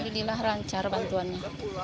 iya ini lah rancar bantuannya